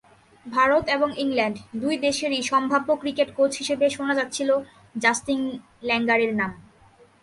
ভারত এবং ইংল্যান্ড—দুই দেশেরই সম্ভাব্য ক্রিকেট কোচ হিসেবে শোনা যাচ্ছিল জাস্টিন ল্যাঙ্গারের নাম।